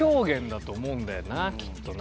きっとな。